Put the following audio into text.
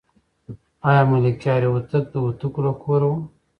آیا ملکیار هوتک د هوتکو له کوره و؟